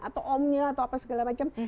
atau omnya atau apa segala macam